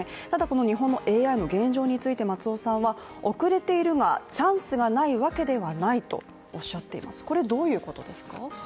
ただこの日本のＡＩの現状について松尾さんは遅れているが、チャンスがないわけではないとおっしゃっています